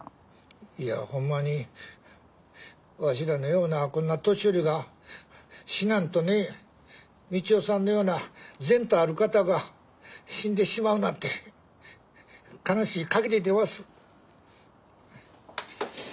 いやホンマにわしらのようなこんな年寄りが死なんとね道夫さんのような前途ある方が死んでしまうなんて悲しいかぎりでわす。